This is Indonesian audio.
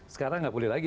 sekarang tidak boleh lagi